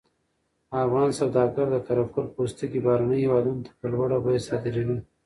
افغان سوداګر د قره قل پوستکي بهرنیو هېوادونو ته په لوړه بیه صادروي.